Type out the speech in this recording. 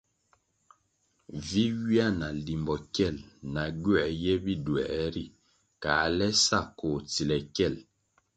Vi ywia na limbo kyel, na gywē ye biduē ri, kale sa koh tsile ye.